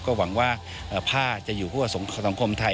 ก็หวังว่าผ้าจะอยู่คั่วสังคมไทย